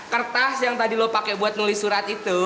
kertas yang tadi lo pakai buat nulis surat itu